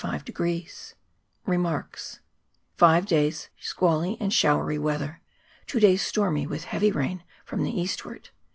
Westerly 56* 59 55 8 Five days squally and showery weather. Two days stormy, with heavy rain from part. the eastward.